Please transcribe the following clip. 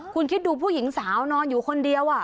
คุณคิดดูผู้หญิงสาวนอนอยู่คนเดียว